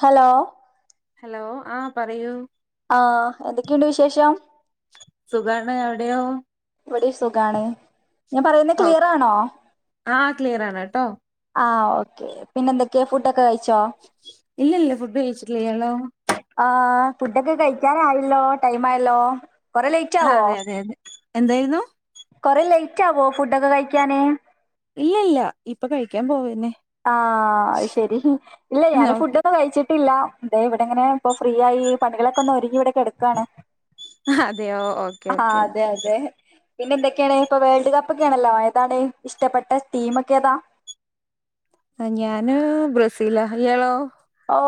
Hello hello ആ പറയൂ ആ എന്തൊക്കെയുണ്ട് വിശേഷം സുഖാണ് അവിടെയോ ഇവിടെയും സുഖാണ് ഞാൻ പറയുന്നത് ക്ലിയർ ആണോ ആഹ് ക്ലിയർ ആണ് കേട്ടോ ആ ഓക്കെ പിന്നെന്തൊക്കെയാ ഫുഡ് ഇല്ല ല്ല ഫുഡ് കഴിച്ചിട്ടില്ല ഇയാളോ ആ ഫുഡൊക്കെ കഴിക്കാറായല്ലോ ടൈം ആയല്ലോ കൊറെ ലേറ്റ് ആവോ അതെ അതെ അതെ എന്തായിരുന്നു കൊറെ ലേറ്റ് ആവോ ഫുഡൊക്കെ കഴിക്കാന് ഇല്ല ഇല്ല ഇപ്പൊ കഴിക്കാൻ പോവന്നെ ആഹ അത് ശെരി ഇല്ല ഞാൻ ഓക്കെ ഫുഡൊന്ന് കഴിച്ചിട്ട് ട്ടില്ല ദേ ഇവിടെ ഇങ്ങനെ ഇപ്പൊ ഫ്രീ ആയി പണികളൊക്കെ ഒന്ന് ഒരുങ്ങി ഇവിടെ കിടക്കാണ് അതെയോ ഓക്കെ ആഹ് ഓക്കെ അതെ ഓക്കെ അതെ പിന്നെ എന്തൊക്കെയാണ് ഇപ്പൊ വേൾഡ് കപ്പൊക്കണല്ലോ ഏതാണ് ഇഷ്ടപ്പെട്ട ടീമൊക്കെ ഏതാ ഞാന് [unintelligible] ഓ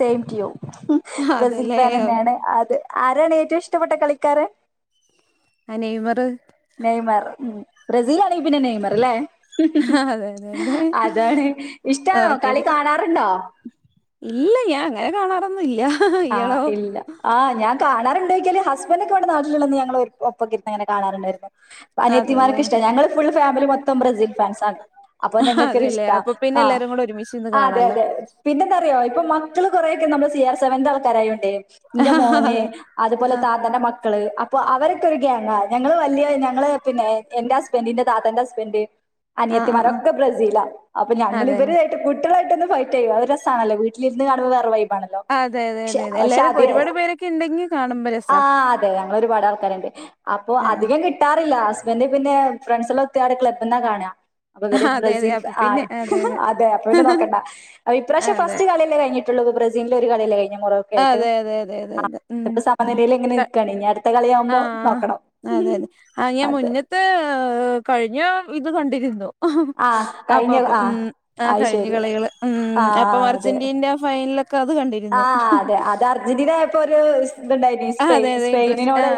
സെയിം റ്റു യു ഹ് മ് ബ്രസീൽ അതെല്ലേ ഫാനെനാണ് അത് ആരാണ് ഏറ്റവും ഇഷ്ടപ്പെട്ട കളിക്കാരന് ആ നെയ്മറ് ഉം ബ്രസീൽ ആണെങ്കി പിന്നെ നെയ്മറ് ല്ലേ ഹ് ഹ് അതെ അതെ അതെ അതാണ് ഇഷ്ടാണോ ഓക്കെ കളി കാണാറുണ്ടോ ങ്ങനെ കാണാറൊന്നും ഇല്ല ആ ഇയാളോ ഇല്ല ആ ഞാൻ കാണാറുണ്ടോയ്ക്കല് ഹസ്ബെന്റൊക്കെ പണ്ട് നാട്ടിള്ളന്ന് ഞങ്ങള് ഒരു ഒപ്പൊക്കിരുന്നങ്ങനെ കാണാറുണ്ടായിരുന്നു അതെല്ലേ അനിയത്തിമാർക്ക് ഇഷ്ട ഞങ്ങള് ഫുൾ ഫാമിലി മൊത്തം ബ്രസീൽ ഫാൻസാണ് അപ്പൊ ഞങ്ങക്കൊരു അതെല്ലേ ഇഷ്ട അപ്പൊ പിന്നെ ആ എല്ലാരും കൂടെ ഒരുമിച്ച് ഇരുന്ന് അതെ കാണാലോ അതെ പിന്നെ എന്താറിയോ ഇപ്പൊ മക്കള് കൊറെയൊക്കെ നമ്മ സിയാ സെവെന്ത് പറയുണ്ടേ ന്റെ മോന് അതെ അതുപോലെ ആ താത്താന്റെ മക്കള് അ അവരൊക്കെ ഒരു ഗ്യാങാ ഞങ്ങള് വലിയ ഞങ്ങള് പിന്നെ എന്റെ ഹസ്ബന്റിന്റെ താത്താന്റെ ഹസ്ബന്റ് ആ ആ അനിയത്തിമാരൊക്കെ ബ്രസീലാ അപ്പൊ ആ അതെല്ലേ ഞങ്ങളിവരു ആയിട്ട് കുട്ടികള ഇവിടുന്ന് ഫൈറ്റ് ചെയ്യും അതൊരു രസാണല്ലോ വീട്ടിലിരുന്ന് കാണുമ്പോ വേറൊരു വൈബ് ആണല്ലോ ആ, അതെ അതെ ക്ഷ അതെ പക്ഷെ എല്ലാരും അതെ ഒരുപാട് പേരൊക്കെ ഇണ്ടെങ്കി കാണുമ്പോ ആ രസാ ആ അതെ ഞങ്ങളൊരുപാട് ആൾക്കാരുണ്ട് അപ്പൊ ആ ആ അധികം കിട്ടാറില്ല ആസ് ഹസ്ബന്റ് പിന്നെ ഫ്രണ്ട്സെല്ലൊ ത്ത് ആട ക്ലബ്ന്നാ കാണാ അപ്പൊ ആ, ഇവര് അതെ അതെ ബ്രസീൽ ഫാ അപ്പൊ പിന്നെ ആര് അതെ അപ്പ പിന്നെ നോക്കണ്ട അ ഇപ്രാവശ്യം അതെ ഫസ്റ്റ് കളിയല്ലേ കഴിഞ്ഞെ ഇപ്പോളത്ബ്രസീന്റെ ഒരു കളിയെല്ലോ കഴി ഞ് മുറവ് ഓകെ ആയിട്ട് അതെ അതെ അതെ അതെ ആ അതെ ഉം ഇപ്പൊ സമനിലയിൽ ഇങ്ങനെ ക നിൽക്കാണ് ഇനി അട് ആ അതെ അതെ ആ ഞാൻ അതെ. മുന്നത്തെ കഴിഞ്ഞ ഇത് കണ്ടിരിന്നു. ആ അപ്പൊ കഴിഞ്ഞ അപ്പൊ ആ ഉം ആ അത് കഴിഞ്ഞ ശരി. കളികള് ഉം ആ അപ്പം അതെ. അർജന്റീനന്റെ ഫൈനലൊക്കെ അത് ആ കണ്ടിരുന്നു. ഇത് ഉണ്ടായിന് ആ സ്പെയ് അതെ അതെ ഇൻട്രസ്റ്റ് ആ സ്പെയിനോട്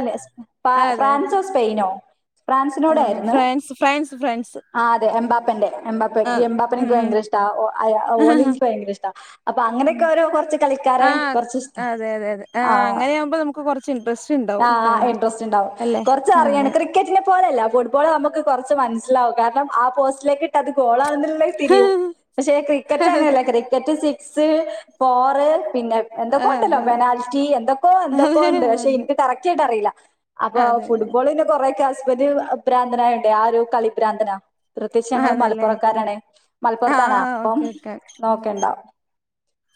ആ അതെ അതെ ഫ്രാൻസോ സ്പെയിനോ ആ ഫ്രാൻസിനോടായിരുന്നു ഫ്രാൻസ് ഫ്രാൻസ് ഫ്രാൻസ് എംപ്പപ്പന്റെ എാപ്പ ആ എംപ്പനെ ഉം എനിക്ക് ഭയങ്കര ഇഷ്ട ഓ അയാ ഓലിസ് ഭയങ്കര ഇഷ്ട അപ്പൊ ഉം അങ്ങനൊക്കെ ഓരോ കുറച്ച് ആ കളിക്കാരെ കുറച്ച് ഇഷ്ട അതെ അതെ അതെ ആ അങ്ങനെയാകുമ്പോ നമുക്ക് കുറച്ച് ഇൻട്രസ്റ്റ് ഉണ്ടാവും ആ കാണാൻ ഇൻട്രസ്റ്റ് ഇണ്ടാവും അല്ലെ കുറച്ച് അതെ അറിയണം ക്രികറ്റിനെ ഫോട്‌ബോൾ അല്ല ഫുട്ബോൾ നമുക്ക് കുറച്ച് മനസ്സിലാവും കാരണം ആ പോസ്റ്റിലേക്ക് ഇട്ട അത് ഗോൾ അക്കുന്ന് ഇത്ള്ളേ തിരിയുംപക്ഷെ ക്രിക്കറ്റ് അങ്ങനല്ല ക്രിക്കറ്റ് സിക്- സിക്സ് ഫോർ പിന്നെ എന്തൊക്കെയ ഉണ്ടല്ലോ അതെ ബനാൽറ്റി എന്തൊക്കോ അതെ എന്തൊക്കോ അതെ അതെ ഉണ്ട് അതെ പക്ഷെ എനിക്ക് കറക്റ്റായിട്ട് അറിയില്ല. [inaudible] അപ്പൊ അതെ അതെ ഫുട്ബോളിന്റെ കുറെക്കെ അസ് ബന്റ് ഭ്രാന്തനായൊണ്ടേ ആ ഒരു കളിഭ്രാന്തനാ പ്രത്യേകിച്ച് ഞങ്ങും അതെല്ലേ മലപ്പുറക്കാരാണ് ആ മലപ്പുറത്താണ് അപ്പം ഓക്കെ ഓക്കെ നോക്കേണ്ടാ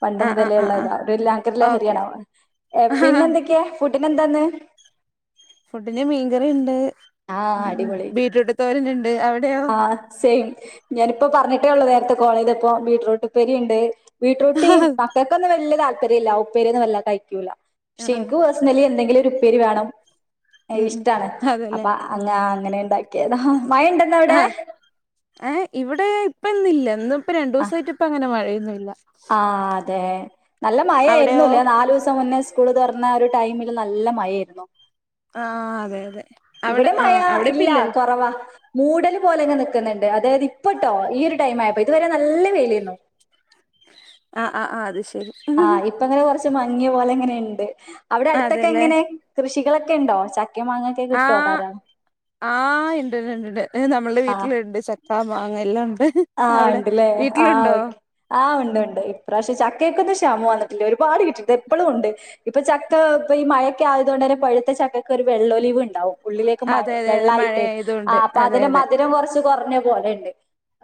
പണ്ട് ആ ആ മുതലേ ആ ആ ഉള്ളതാ ഒരു ഭയങ്കര ഓക്കെ ലഹരിയാണോ ഏ ആ പിന്നെ എന്തൊക്കെയാ ഫുഡിന്എന്താ ഇന്ന് ഫുഡിന്റെ മീൻകറിയുണ്ട് ആഹ് ബീറ്റ്രൂട്ട് തോരൻണ്ട് അവിടെ ആ സെയിം ഞാനിപ്പോ പറഞ്ഞി- അട്ടേ ഉള്ള നേരത്തെ കോളിതപ്പോ ബീട്രൂട്ട് ഉപ്പേരിയുണ്ട് ബീട്രൂട്ട് ഈ മക്കൾക്കൊന്ന് വല്യ താൽ ഉപ്പരില്ല ഉപ്പരിയെന്നും വല്ല കഴിക്കൂല ആ പക്ഷെ എനിക്ക് പേഴ്സണലി എന്തെങ്കിലും ഒരു ഉ പ്പേരി വേണം ഉം ഇഷ്ടാണ് അപ്പ അതെല്ലേ അങ്ങ് അങ്ങനെണ്ടാക്കി [unintelligible] മഴ ഇണ്ടെന്നാ അവിടെ ഏ ഇവിടെ ഇപ്പോന്ന്ഇല്ല ഇന്ന് ഇപ്പ രണ്ടു ദിവസായിട്ട് ഇപ്പ അങ്ങ ന്ന്മഴ ഒന്നുല്ല ആ അതെ നല്ല അവിടെയോ മഴയായിരുന്നുല്ലേ നാലു ദിവസം മുന്നേ സ്കൂ- സ്കൂള് തുറന്ന ഒരു ടൈമില് നല്ല മഴ ആയിരുന്നു ആഹ് അതെ അതെ അവിടെ ഇവിടെ മഴ ആഹ് അവിടെ ഇപ്പ ഇല്ല ഇല്ലല്ലോ കുറവാ മൂടലും പോലെെ നിക്കുന്നുണ്ട് അതായത് ഇപ്പട്ടോ ഈ ഒരു ടൈം ആയപ്പോ ഇതുവരെ നല്ല വെയിലാര്ന്നു ആ ആ അത് ശ ആഹ് ഇപ്പൊ അങ്ങനെ കുറച് മങ്ങിയ പോലെ അങ്ങനെയ്ണ്ട് അവിടെ അടുത്തൊക്കെ എങ്ങനെ കൃഷി കളൊക്കെണ്ടോ ച ആ ആ ഇണ്ട്ണ്ട് ഉണ്ട്ണ്ട് നമ്മുടെ ആഹ് വീട്ടില്ണ്ട് ച ചക്ക മാങ്ങ എല്ലാംണ്ട് ആഹ് ഉണ്ട്ല്ലേ ആഹ ഓക്കേ ആഹ് ഉണ്ട് ഉണ്ട് ഇപ്രാവശ്യ ച കേക്ക് ക്ഷാമം ആണ് ഒരുപാട് കിട്ടിണ്ട് എപ്പളും ഉണ്ട് ഇപ്പൊ ചക്ക ഇപ്പൊ ഈ മഴൊക്കെ ആയതു കൊണ്ട് തന്നെ പഴുത്ത ചക്കക്ക് ഒരു വെള്ളൊലിവ് ഉണ്ടാവും ഉള്ളിലേക്ക് മഴ അതെ അതെ അതെ വെള്ളായിട്ടേ ആ മഴയായതുകൊണ്ട് അപ്പൊ അതെ അതിന്റെ അതെ മധുരം കുറച്ച് കുറഞ്ഞ പോലെണ്ട്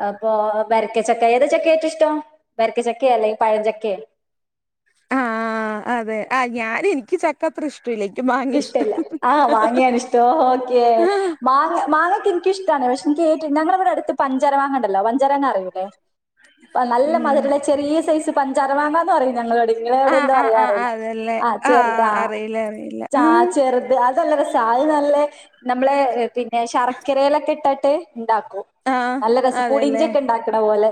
അപ്പൊ വരക്കച്ചക്ക ഏത് ചക്കയാ ഏറ്റുംഇഷ്ടം വരക്കച്ചക്ക അല്ലെങ്കി പഴഞ്ചക്ക ആഹ് അതെ ആ ഞാന എനിക്ക് ചക്കത്ര ഇഷ് ഇഷ്ടല്ല ആഹ് മാങ്ങയാന ഇഷ്ടോ ഓക്കെ ആ മാങ്ങ മാങ്ങൊക്കെ ഇൻക്ക് ഇഷ്ടാണ് പക്ഷെ എനിക്ക് ഏറ്റു ഞങ്ങളവിടെടുത്ത് പഞ്ചാര മാങ്ങാ ഉണ്ടല്ലോ പഞ്ചാര മാങ്ങ അറിയൂലെ നല്ല ഉം മതരള്ള ചെറിയ സൈസ് പഞ്ചാര മാങ്ങന്ന് പറയും ഞങ്ങളുടെ ആഹ് ആഹ് ആഹ് അതല്ലേ ആഹ് ചെറുതാ അറിയില്ല അറിയില്ല ചാ ആഹ് ചെറുത് അതല്ല ര സാ അത് നല്ല നമ്മളെ പി ശർക്കരയിലൊക്കെ ഇട്ടിട്ട് ഇണ്ടാക്കും ആഹ് നല്ല രസ പുളിഞ്ചി അതെല്ലേ ഒക്കെ ഇണ്ടാക്ക്ണ പോലെ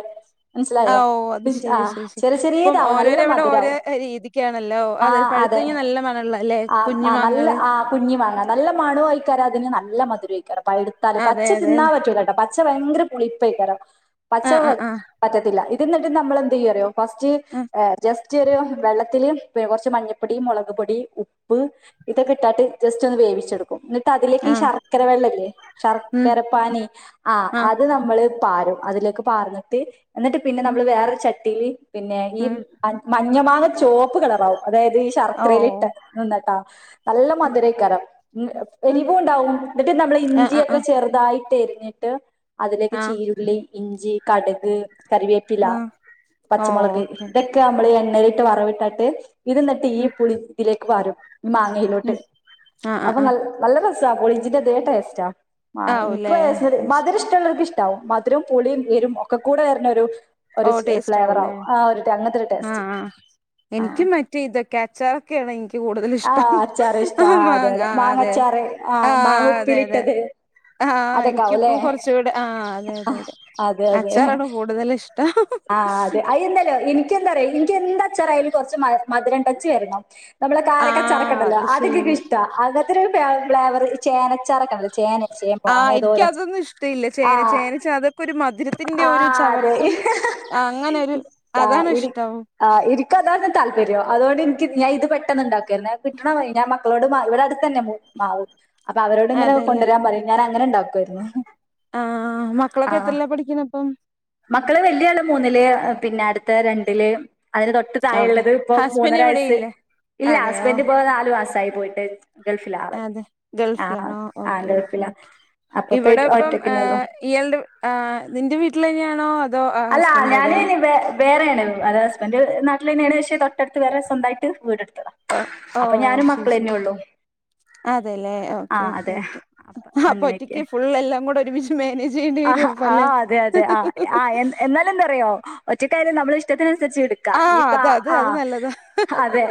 ഓ മനസ്സിലായോ? അത് പിഞ്ച് ശരി ആഹ് ശരി ശരി ചെറിയ അപ്പം ചെറിയതാവും നല്ല ഓരോരോവിടെ ഓരോ മധുരാവും. രീതിക്കാണല്ലോ അതെ ആഹ് പഴുത്ത കഴിഞ്ഞ അതെ. നല്ല മണള്ള അല്ലെ ആ കുഞ്ഞു ആ നല്ല മാങ്ങള് ആ കുഞ്ഞു മാങ്ങാ നല്ല മണ ആയിക്കാരം അതിന് നല്ല മധുരയിക്കാരം പഴുത്താൽ അതെ പച്ച അതെ തിന്നാൻ അതെ പറ്റൂല കേട്ടോ പ ഭയങ്കര പുളിപ്പയിക്കാരം പച്ച ആഹ് ആഹ് പറ്റത്തില്ല ഇതെന്നിട്ട് നമ്മൾ എന്ത് ചെയ്യുന്നറിയോ ഫസ്റ്റ് ഏഹ് ജസ് ച്ച്ഒരു വെള്ളത്തില് കുറച്ച് മഞ്ഞപ്പൊടി മുളക്പൊടി പ്പ് ഉപ്പൊക്കെ ഇട്ടാട്ട് ജസ്റ്റ് ഒന്ന് വേവിച്ചെടുക്കും ട്ടതിലേക്കി ആഹ് ശർക്കരവെള്ളല്ലേ ഉം ശർക്കര പാനി ആഹ് അത് നമ്മള് പാറും അതിലേക്ക് പാർന്നിട്ട് എന്നിട്ട് പിന്നെ ഉം നമ്മള് വേറൊരു ചട്ട് - തില് പിന്നെ ഈ ഉം മ് അ മന് ങ്ങമാങ്ങ ചോപ്പുകളറാവും അതായത് ഈ ഓ ശർക്കരേലിട്ട നിന്നിട്ടാ നല്ല ഉം മധുരൈക്കാറ മ് ഉം എരിവും ഉണ്ടാവും എന്നിട്ട് നമ്മൾ ആഹ് ഇഞ്ചിയൊക്കെ ആഹ് ചെറുതായിട്ട് ന്നിട്ട് അതിലേക്ക് ആഹ് ആഹ് ചീരുള്ളി ഇഞ്ചി കടുക് കറിവേപ്പില ആഹ് ഓ പച്ചമുളക് ഓക്കെ ഇതൊക്കെ നമ്മള് നേരിട്ട് വറവിട്ടട്ട് ഇത് ന്നിട്ട് ഈ ഉം പുളി ഇതിലെ ഇ വാരും മാങ്ങയിലോട്ട് ഉം ആഹ് ആഹ് അപ്പൊ ആഹ് നല് നല്ല രസ് സബോളിജിന്റെ തേ ടേസ്റ്റാ അഹ് എനിക്ക് ആവൂലേ പേഴ്സണലി മധുരം ഇഷ്ടോള്ളോർക്കു ഇഷ്ടാവും മ ധുരോം പുളിയും എരും ഒക്കെ കൂടെ വരുന്നൊരു ഓ ടേസ്റ്റ് ആവുല്ലേ ഒരു ടേസ്റ്റ് ആഹ്‌ ആഅഹ് ആ എനിക്ക് മറ്റേ ഇതൊക്കെ അച്ചാറൊക്കെ എനിക്ക് കൂടുതൽ ആ ഇഷ്ടം അച്ചാറ് ഇഷ്ടാ അഹ് ആ അതെ മാങ്ങാ അഹ് അതെ മാങ്ങച്ചാറ് ആ അഹ്ആ മാങ്ങ അതെ അതെ ഉപ്പിലിട്ടത് അഹ്ആ അതൊക്കെ ആവുംല്ലേ എനിക്കിപ്പം കൊറച്ചുടെ അഹ്ആ അതെ അതെ അതെതെ അച്ചാറാണ് കൂടുതൽ ഇഷ് അഹ് അതെ അയിന്നെനു എനിക്ക് എന്താറിയൊ എനിക്ക് എന്ത്‌ച്ചാറയാലും കുറച്ച് മധരം ടച്ച് വരണം നമ്മള് ആ കാരക്ക അച്ചാറെക്കെ ഉണ്ടല്ലോ അത് അതെക്കെ ശരി ക്കിഷ്ടാ അങ്ങനെത്തൊരു ഫ്ലേവറ് ചേനച്ചാറൊക്കാണല്ലോ ചേന ചേമ്പോ അഹ് അങ്ങനെ ഏതോ എനിക്ക് ഒരു അച്ചാർ അതൊന്നും ഇഷ്ടല്ല ചേന ആ ചേനക്കെച്ചാ അത് ഒരു മധുരത്തിന്റെ ഒരു ചവർപ്പും അങ്ങനെ ഒരു അഹ് അതാണ് ഇനി ഇഷ്ടം ആഹ് ഇനിക്ക് അതാണ് താല്പര്യം അതോണ്ടെനിക്ക് ഞാൻ ഇത് പെട്ടെന്നുണ്ടാക്കും ക്കെന്നെ കിട്ടണ മതി ഞാൻ മ [unintelligible] ഇവിടെ അട് ത്തന്നെ മു മാവ് അപ്പൊ അവരോട് ങ്ങനെ അതെല്ലേ കൊണ്ടരാൻ പറയും ഞാൻ അങ്ങനെ ഉണ്ടാക്കുവാരുന്നു ആ ആ മക്കളൊക്കെ എത്രല്ല പഠിക്കണ ഇപ്പം മക്കളെ വല്യ ആള് മൂന്നില് പിന്നെ അടുത്ത രണ്ടില് അതിന് തൊട്ട് ഓക്കെ താഴെള്ളത് ഇപ്പം മൂന്നര ഹസ്ബൻഡ് ഇവിടെ വയസ്സ് ഇല്ലേ ഇല്ല അതെയോ ഹസ്ബൻഡ് ഇപ്പൊ നാലു മാസായി പോയിട്ട് ഗൾഫിലാ ആള് അതെ ആഹ് ഗൾഫിലാണോ ആഹ് ഓക്കെ ഓക്കെ ഗൾഫിലാ ക്കെ അപ്പൊ ഇപ്പ ഇവിടെ ഇപ്പം ഏ ഒറ്റക്കന്നെ ഉള്ളു ഇയാൾടെ നിന്റെ വീട്ടിൽ തന്നെയാണോ അതോ അല്ല ഹസ്ബൻഡിന്റെ അവിടെയാ ഞാന് വേറെയാണ് അത് ഹസ്ബന്റ് നാ [unintelligible] വേറെ സ്വന്തായിട്ട് വീടെടുത്തതാ ഓ ഓ അപ്പൊ ഞാനും ശരി ശരി മക്കളെന്നെള്ളൂ അതെല്ലേ ആ ഓക്കെ ഓക്കെ അതെ ഓക്കെ അ അപ്പൊ അങ്ങനെയൊക്കെ ഒറ്റയ്ക്ക് ഫുൾ എല്ലാം കൂടെ ഒരുമിച്ച് മാനേജ് ചെയ്യേണ്ടി ആ വരും അപ്പൊ ആ അല്ലേ അതെ അതെ ആ ആ എന്താറിയോ ഒറ്റക്കായാലും നമ്മളെ ഇഷ്ടത്തിന് [unintelligible] ച്ചി എടുക്കാം ആഹ് ഇനിപ്പം അത് അത് ആ അത് നല്ലതാ ആ അതെ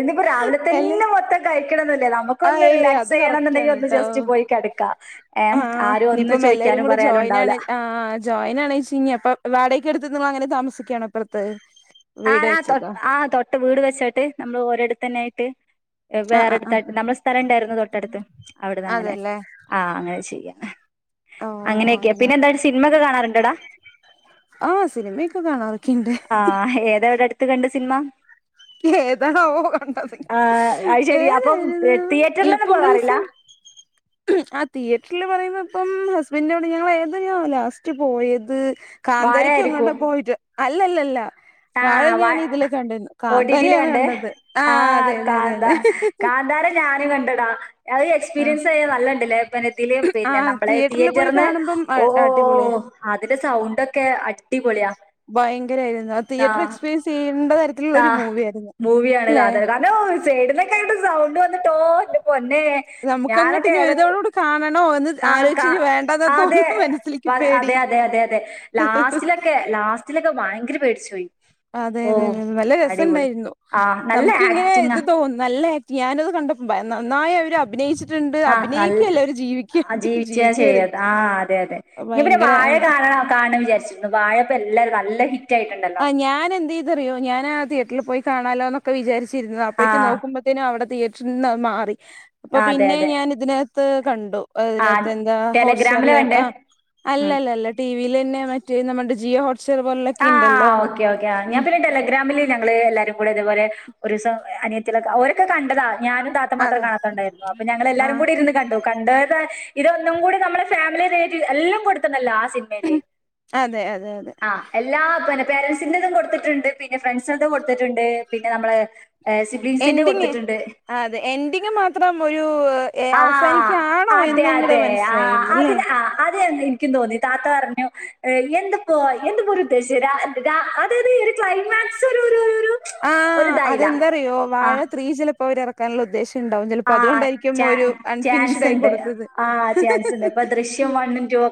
ഇനീപ്പം രാവിലെ അല്ലേ തന്നെ മൊത്തം കയ് േ ആഹ് നമുക്കൊന്ന് ഏയ് റിലാക്സ് അത് ചെയ്യണം കറക്റ്റാണ് എന്നുണ്ടെങ്കിൽ ഒന്ന് [unintelligible] ന്നുല്ല നമുക്കൊന്ന് റിലാക്സ് ചെയ്യണന്നുണ്ടെങ്കിൽ ഒന്ന് കേട്ടോ ജസ്റ്റ് പോയി കെടക്കാം ഏ ആഹ് ആരും ഒന്നും ഇനിയിപ്പം എല്ലാവരും ചോയ്ക്കാനും കൂടെ ജോയിൻ പറയാനുംണ്ടാവൂല്ല വാടയ്ക്കെടുത്ത് [unintelligible] അങ്ങനെ താമസിക്കാണോ ഇപ്പറത്ത് ആഹ് ആഹ് തൊ ആഹ് തൊട്ട് വീട് വെച്ചിട്ട് നമ്മള് ഓരിടത്ത് തന്നെ ആയി ട്ടെ എവ് ആഹ് ആഹ് വേറെടുത്ത ആഹ് നമ്മടെ സ്ഥലം ഉണ്ടായിരുന്നു തൊട്ടടുത്ത് അവിടുന്ന് അങ്ങനെ അതല്ലേ ആഹ് അങ്ങനെ ചെയ്യാം. ഓ അങ്ങനെയൊക്കെ അങ്ങനെ പിന്നെ എന്ത സിനിമ ഒക്കെ കാണാറുണ്ടൊടാ ആഹ് സിനിമയൊക്കെ കാണാറൊക്കെണ്ട് ആഹ് ഏതവിടെ അടു കണ്ട് സിൻമ ഏതാണോ കണ്ടത് അത് ശരി അപ്പം ഏതായിരുന്നു തിയേറ്ററിലൊന്നും ഇപ്പൊ പോവാറില്ല റീസിൻ ആഹ് തിയേറ്ററില് പറയുന്ന ഇപ്പം ഹസ്ബന്റോടെ ഞങ്ങ ഏതയാ ലാസ്റ്റ് പോയത് വാഴ കാന്തരിക്ക് എങ്ങോട്ട് ആയിരിക്കും പോയിട്ട്. അല്ല ല്ല ല്ല വാഴെ ഞാൻ ഇതില് കണ്ടിര്ന്നു ഓ ട്ടി ട്ടി ല കണ്ടേ ആ അതെ അതെ കാന്താ അതെ കാന്താര ഞാനും കണ്ട് ഡാ അത് ആഹ് എക്സ്പീരിയൻസ് ആയ നല്ലണ്ടല്ലേ ഇപ്പത്തി പിന്നെ ആഹ് നമ്മളെ തിയേറ്ററിൽ പോയി തിയേറ്ററിന്ന് കാണുമ്പം ഓ അടിപൊളിയ അതിന്റെ സൗണ്ട് ക്കെ അടിപൊളിയ. ഭയങ്കരായിരുന്നു അ തിയറ്റർ എക്സീരിയൻസ് ചെയേണ്ടെ ആഹ് ഭൂവിയാണ് കാതൽ [unintelligible] സൈഡിലൊക്കെ ആയിട്ട് സൗണ്ട് വന്ന്ട്ടോ എന്റെ പൊ നമുക്കങ്ങട്ട് ഇനി ഒരു തവണ കൂടെ കാണ ആഹ് കാ അതെ മനസ്സിലേക്ക് പാ പേടി അതെ അതെ അതെ അതെ അതെ ലാസ്റ്റിലൊക്കെ ലാസ് റ്റിലൊക്കെ ഭയങ്കര പേടിച്ചോയി അതെതെതെ നല്ല രസണ്ടായിരുന്നു ആഹ് നല്ല നമുക്കിങ്ങനെ ആക്ടിങ്ങാ ഇത് തോ നല്ല ആക്ടി ഞാനത് കണ്ടപ്പോ ഭയ നന്നായിയവ ര് അഭിനയിച്ച് ആഹ് അല് ആഹ് ജീവിച്ചാ ജീവിക്കവര് ചെയ്യത് ആഹ് അതെ അതെ ഇഞ്ഞ് പിന്നെ ഭയങ്കര വാഴ ആയിരുന്നു. കാണണം കാണാൻ വിചാരിച്ചിരുന്നു വാഴപ്പോ എല്ലാരും നല്ല ഹി ആഹ് ഞാന് എന്തെയ്തു അറിയോ ഞാനാ തിയേറ്ററ്ല് പോയി കാണാലോന്നൊക്കെ വിചാരി ച്ചിരുന്നാ അപ്പഴേക്കും ആഹ് നോക്കുമ്പത്തേനും അവിടെ തിയേ റ്ററ്ന്നാ മാറി അപ്പൊ അതെ പിന്നെ അതെ ഞാൻ ഇതിനാ ത്ത് കണ്ടു ആഹ് അയ്നാത്ത് എന്താ ഹോട്ട് ടെലഗ്രാമില് സ്റ്റാർല് കണ്ടേ ആഹ് ഉം അല്ലല്ലല്ല ടീ തിലന്നെ മറ്റേ നമ്മടെ ജിയോ ഹോ [unintelligible] ആഹ് ഓക്കെ ഓക്കെ ആഹ് ഞാൻ പിന്നെ ടെലഗ്രാമില് ഞങ്ങള് എല്ലാരുക്കൂടെ ഇതുപോലെ ഒരൂസം അനിയത്തിളൊക്കെ ഓര് കെ കണ്ടതാ ഞാനും താത്ത മാത്രം അതെ കാണാത്തദ് അപ്പോ ഞങ്ങൾ എല്ലാരും ആഹ് കൂടി ഇരിന്നു കണ്ടു കണ്ടത് ഇതൊന്നും കൂടി നമ്മളെ ഫാമിലിറ്റ എല്ലാം കൊടുക്കുന്നല്ല അതെ അതെ അതെ [unintelligible] പേരൻസിൻന്റെതും കൊടുത്തിട്ടുണ്ട് പിന്നെ ഫ്രണ്ട്സൾതെ കൊടുത്തിട്ടുണ്ട് പിന്നെ നമ്മളെ സിബ്ലിങ്സിന്റെ എൻഡിങ് കൊടുത്തിട്ടുണ്ട് ആഹ് അതെ എൻഡിങ് മാത്രം ഒരു ഏഹ് ആ അവസാനിക്കാണോ എന്നും ങ്ങട് മനസ്സിലായില്ല ല്ലേ അത എനിക്കും തോന്നി താത്ത പറഞ്ഞു എന്തോപ്പോ എന്തൊ പോ ര് ഉദേശിച്ചേ അതത് ഒരു ക്ലൈമാക്സ് ഓര് ഒരു ഒരു ഇതായില്ല ആഅതെന്തറിയോ ആ വാഴ ത്രീ ചില ഇപ്പവരെർക്കാനുള്ളഉദ്ദേശ ണ്ടാവും ചിലപ്പോ ആ അതോണ്ടായിരിക്കും ഒരു ചാൻസ് അൺഫിനിഷ്ഡ് ആയി ഉണ്ട് കൊടുത്തത് ആ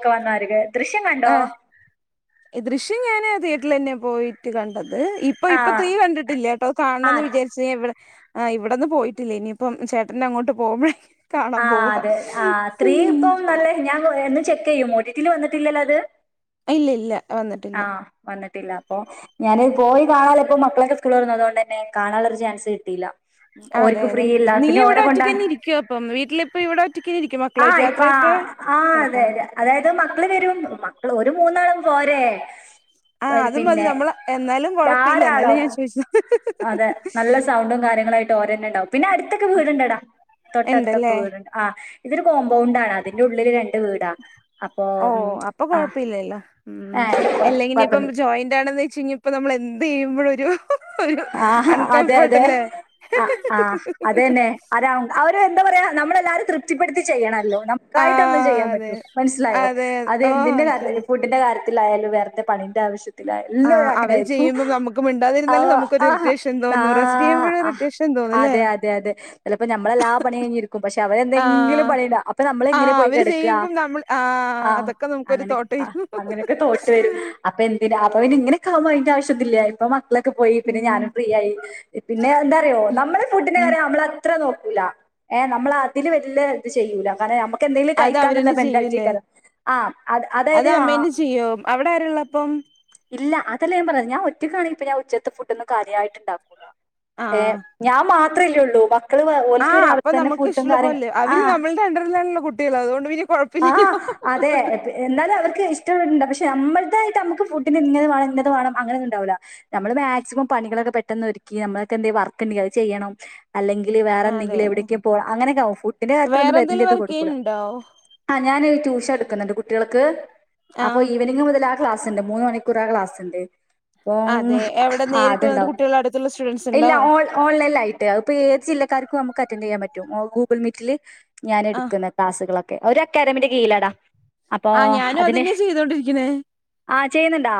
പവന്നാര്കെ ആ ദൃശ്യം ഞാന് തീയേറ്റ ട്ടിലെന്നെ പോയിട്ട് കണ്ടത് ഹേ ഇപ്പൊ ആ ഇപ്പൊ ത്രീ കണ്ടിട്ടില്ലട്ടോ കാണ് ണം ആ ന്ന് വിചാരിച് ഞാവടെ ആ ഇവിടെന്ന് പോയിട്ടില്ല ഇനിയിപ്പം ചേട്ടന്റെ അങ്ങോട്ട് പോകുമ്പോഴേ കാണാൻ ആ പോവാ അതെ ആ ത്രീ ഉം ഇപ്പം നല്ല ഞാൻ എന്നും ചെക്കെയ്യും ഒടി ട്ടില് വന്നിട്ടില്ലല്ലോ അത് ഇല്ലെല്ല ആ വന്നി ട്ടില്ല അപ്പൊ ഞാന് പോയി കാണേനെ ഇപ്പോ മക്കളൊക്കെ സ്കൂൾ തുറന്നതോണ്ടന്നെ കാണാൻ ള്ളൊരു ചാൻസ് കിട്ടീല്ല അതെ അതെ നീ ഇവിടെ ഒറ്റക്കെന്നെ ഇരിക്കുവോ അപ്പം വീട്ടിലിപ്പം ഇവിടെറ്റ ആ ഇപ്പം ആ ആ അതെ കിടക്കാൻ തെ അതായത് മക്കള് വരും മക്കള് രു മൂന്നാളും പോരെ ആ അതുമതി പിന്നെ നമ്മള് എന്നാലും കൊഴപ്പില്ല എന്നാലും ധാരാളം ഞാൻ ചോയിച്ചതാ വേ ണ്ടാവും പിന്നെ അടുത്തൊക്കെ വീടുണ്ടെടാ ഉണ്ടല്ലേ തൊട്ടടുത്തൊക്കെ വീടുണ്ട് ആ ഇതൊരു കോമ്പൗണ്ടാണ് അതിന്റെഉള്ളില് രണ്ട് വീടാ അപ്പൊ ഓ അപ്പൊ ആഹ് കൊഴപ്പില്ലല്ലോ ഉം ഏഹ് അല്ലെങ്കിനി ഇപ്പം കൊഴപ്പൊന്നില്ല ജോയിന്റ് ആണെന്ന് വെചെയ്ഞ്ഞ നമ്മള്ന്തെയ്യുമ്പോഴും യോഹ് ആ അതെ അതെ ആ ആ അതെന്നെ അതാഉം അവര് എന്താ പറയാ നമ്മള് ല്ലാരെ ത്ര് - പ്തിപ്പെടുത്തി ചെയ്യണല്ലോ ആ നമുക്കായിട്ടൊന്നും ചെയ്യാൻ അതെ പറ്റോ മനസ്സിലായോ അതെ അത് ഓ എന്തിന്റെ കാര്യത്തി എനിക്കറിയാം ഫുഡ്ഢിന്റെ കാര്യ ത്തിലായാലും വേറന്തേ പണിന്റെ ആവശ്യ ആ അവര് ചെയ്യുമ്പോ നമുക്ക് മിണ്ടാതിരുന്നാലും നമുക്കൊരു ആ ഇറിറ്റേഷൻ തോന്നും റെസ്റ്റ് ചെയ്യുമ്പോഴും ഇറിറ്റേഷൻ തോന്നുംല്ലേ അതെ അതെ അതെ ചെലപ്പോ ഞമ്മളെല്ലാ പണിയ്ഴിഞ്ഞിരിക്കുമ്പോ തെ ആ അവരെന്തെങ്കിലും പണിയിലാ അപ്പ ആ നമ്മളങ്ങനെ പോയി അവര് കെടക്കാ ചെയ്യുമ്പം നമ്മൾ ആ ആ അതൊക്കെ നമുക്കൊരു അങ്ങനെ തോട്ട് വരും അങ്ങനെക്കെ തോട്ട് വരും അപ്പൊന്തിനാ അപ്പോയിങ്ങനൊക്കാവുമ്പോ അതിന്റെ ആവിശ്യ ത്ത്ന്ന്ല്ലേ ഇപ്പ മക്കളൊക്ക പിന്നെ ഉം ഞാനും ഫ്രീയായി പിന്നെ ന്താറിയോ നമ്മളെ ഫുഡിന്റെ ഉം കാര്യം നമ്മളെത്ര നോക്ക ല്ലഏ നമ്മള് അതില് വല്ല ഇത് ചെയ്യൂല കാരണം നമ്മക്ക് ക്കെന്തേലും അത് കഴിക്കാന്ന്‌ള്ള അവരന്നെ ചെയ്യൂല്ലേ മെന്റാലിറ്റിയേക്കാരം ആ അത അത് അതായത് ആ അമ്മന്നെ ചെയ്യോ അവിടെ ആരുള്ളപ്പം ഇല്ല അതല്ല ഞാൻ പറഞ്ഞത് ഞാൻ ഒറ്റക്കാനേ പിന്നെ ഉച്ച ട്ട്ന്ന് കാര്യായിട്ട്ണ്ടാക്കൂല ഏ ഞാൻ മാ ത്രല്ലേ ഉള്ളൂ പ ആ അപ്പൊ നമ്മുക്ക് ഇഷ്ടള്ളപ്പോ അല്ലേ അവര് ആഹ് നമ്മളുടെ അണ്ടറിലാണല്ലോ കുട്ടികള് അതുകൊണ്ട് പിന്നെ ആ കുഴപ്പമില്ലല്ലോ അതെ എന്നാലും അവർക്ക് ഇഷ്ടൊ ണ്ട പക്ഷെ നമ്മ ക്കായതമ്മക്ക് ഫുഡിന് ഇങ്ങനെ വേണം ഇന്നത് വേണം അങ്ങനൊന്നുണ്ടാവൂല നമ്മള് മാക്സിമം പണികളൊക്കെ പെട്ടെന്ന് ഒരുക്കി നമ്മൾക്കെന്തെ വർക്ക് ഇണ്ടെങ്കി അത് ചെയ്യണം അല്ലെങ്കില് അതെ വേറെന്തെങ്കില് അതെ എവിടേക്ക പോ. അങ്ങനൊക്കെയാവും. ഫുഡിന്റെ വേറെ കാര്യത്തിലൊന്നും എന്തെങ്കിലും [unintelligible] വർക്ക് കൊടുക്കൂല. ചെയ്യുന്നുണ്ടോ അ ഞാനൊരു ട്യൂഷടുക്കുന്നുണ്ട് കുട്ടേൾക്ക് അപ്പൊ ആഹ് ഈവനിങ്ങ് മുതലാ ക്ലാസ്സ്ണ്ട് മൂന്ന് മണിക്കൂറാ ക്ലാസ്സ്ണ്ട് ഓന്ന് അതെ എവിടെ ആ നേരിട്ട് വന്നിട്ട് അത്ണ്ടാവും കുട്ടികളുടെ അടുത്തുള്ള സ്റ്റുഡൻസ് ഇല്ല ഉണ്ടോ ഓൺ ഓൺലൈൻലായിട്ട് അഹ് പ്പൊ ഏത് ജില്ലക്കാർക്കും അമു ക്കെ അറ്റന്റിയ്യാമ്പറ്റും. ഓ ഗൂഗിൾ മീറ്റില് ഞാൻ ആഹ് എടുക്കുന്ന ക്ലാസുകളൊ ക്കെ. ഒരക് ക്കാഡമിന്റെ കീഴിലാടാ അപ്പൊ ആഹ് ഞാനും അതിന് അതന്നെ ആ ചെയ്യുന്നുണ്ടാ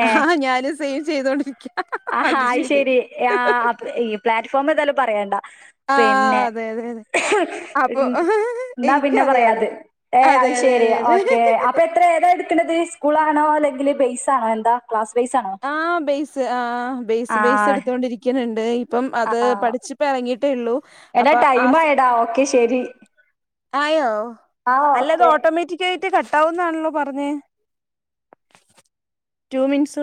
ഏ ആ ആ ഞാനും സെയിം ചെയ്തോണ്ടിരിക്ക ആ അത് ശരി ആ അപ്പ- ഈ പ്ലാറ്റ്ഫോം ഏതായാലും പറയണ്ട ആ പിന്നെ അതെ അതെ അതെ അപ്പൊ ഉം, എന്നാ എനി പിന്നെ പറയാത്. ഏ അത്ശരി ഓക്കെ അതെ അപ്പൊ എത്ര ഏതാ എടുക്കണത് സ്കൂൾ ആണോ അല്ലെങ്കില് ബെയ്‌സാണോ? എന്താ? ക്ലാസ് ബേസ് ആണോ ആ ബേസ് ആ ബേസ് ആ ബേസ് എടുത്തോണ്ടിരിക്കണ് അപ്പം ആ അത് പഠിച്ചിപ്പ ഇറങ്ങി ട്ട് ഉളളൂ എടാ ടൈമായടാ ഓക്കെ ശരി ആയോ ആ ഓക്കെ കട്ടാവൂന്നാണല്ലോ പറഞ്ഞേ. Two minutes